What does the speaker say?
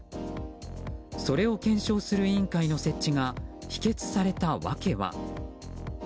それを検証する委員会の設置が否決された訳は。